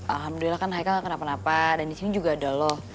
alhamdulillah kan haikal gak kenapa napa dan disini juga ada lo